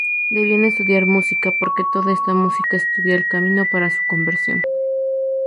Debían estudiar música ""porque toda esta música estudia el camino para su conversión"".